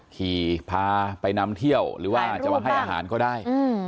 ขี่พาไปนำเที่ยวหรือว่าจะมาให้อาหารก็ได้